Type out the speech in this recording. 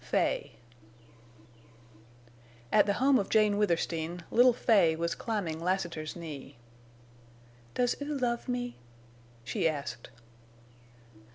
FAY At the home of Jane Withersteen Little Fay was climbing Lassiter's knee. "Does oo love me?" she asked.